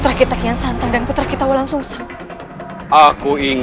hidup adem walang sungsang